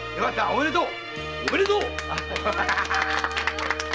おめでとう！